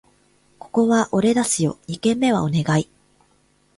ここは俺出すよ！二軒目はお願い